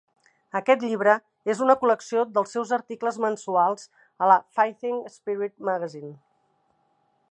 Aquest llibre és una col·lecció dels seus articles mensuals a la Fighting Spirit Magazine.